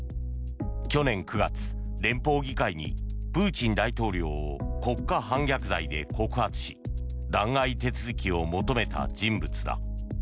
去年９月、連邦議会にプーチン大統領を国家反逆罪で告発し弾劾手続きを求めた人物だ。